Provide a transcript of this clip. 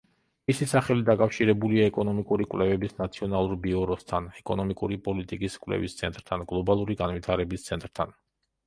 მისი სახელი დაკავშირებულია ეკონომიკური კვლევების ნაციონალურ ბიუროსთან, ეკონომიკური პოლიტიკის კვლევის ცენტრთან, გლობალური განვითარების ცენტრთან.